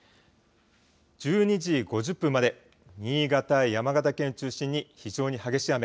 １２時５０分まで新潟、山形県中心に非常に激しい雨。